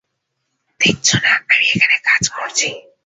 দেখছ না যে, আমি এখানে কাজ করছি?